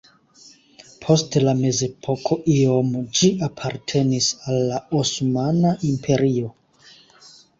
Post la mezepoko iom ĝi apartenis al la Osmana Imperio.